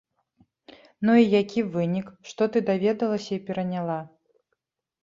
Ну і які вынік, што ты даведалася і пераняла?